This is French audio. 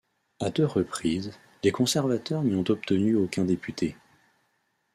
À deux reprises, les Conservateurs n'y ont obtenu aucun député.